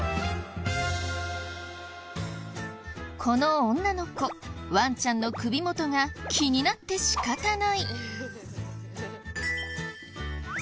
この女の子ワンちゃんの首元が気になって仕方ない。